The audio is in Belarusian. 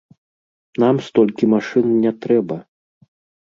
Нам столькі машын не трэба!